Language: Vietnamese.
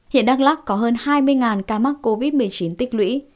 hiện đắk lắc có hơn hai mươi ca mắc covid một mươi chín tích lũy